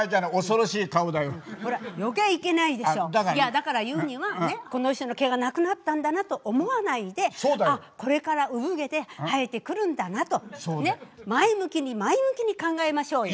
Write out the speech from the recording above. だから言うにはこの人の毛がなくなったんだなと思わないであっこれから産毛で生えてくるんだなと前向きに前向きに考えましょうよ。